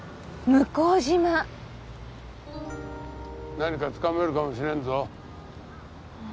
何かつかめるかもしれんぞ。